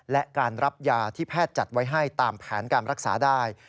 และการรับยาที่แพทย์จัดไว้ให้ตามแผนการรักษาได้